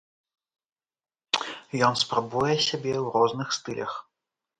Ён спрабуе сябе ў розных стылях.